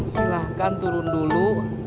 silahkan turun dulu